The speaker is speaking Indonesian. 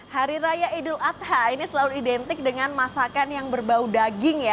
hari raya idul adha ini selalu identik dengan masakan yang berbau daging ya